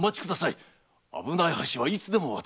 危ない橋はいつでも渡れます。